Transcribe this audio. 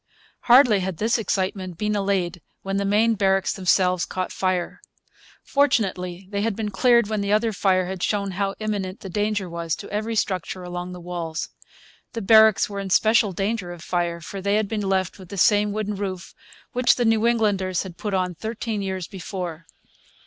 Hardly had this excitement been allayed when the main barracks themselves caught fire. Fortunately they had been cleared when the other fire had shown how imminent the danger was to every structure along the walls. The barracks were in special danger of fire, for they had been left with the same wooden roof which the New Englanders had put on thirteen years before.